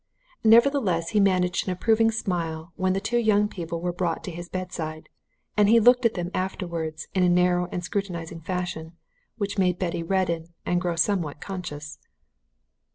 Nevertheless, he managed an approving smile when the two young people were brought to his bedside, and he looked at them afterwards in a narrow and scrutinizing fashion, which made Betty redden and grow somewhat conscious.